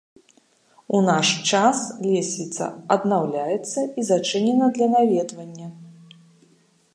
У наш час лесвіца аднаўляецца і зачынена для наведвання.